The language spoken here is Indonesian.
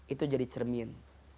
itu jadi cermin